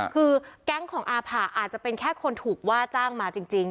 คือแก๊งของอาผ่าอาจจะเป็นแค่คนถูกว่าจ้างมาจริง